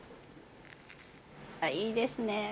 いいですね。